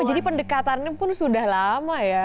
oh jadi pendekatannya pun sudah lama ya